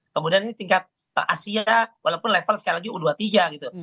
kemudian ini tingkat asia walaupun level sekali lagi u dua puluh tiga gitu